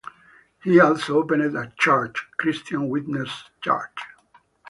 He also opened a church, Christian Witness Church.